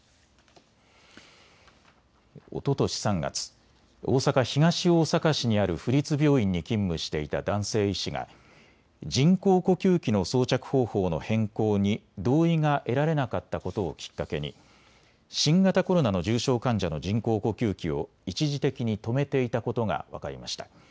おととし３月、大阪東大阪市にある府立病院に勤務していた男性医師が人工呼吸器の装着方法の変更に同意が得られなかったことをきっかけに新型コロナの重症患者の人工呼吸器を一時的に止めていたことが分かりました。